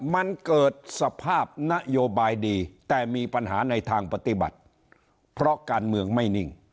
มันเกิดสภาพนโยบายดีแต่มีปัญหาในทางปฏิบัติเพราะการเมืองไม่นิ่ง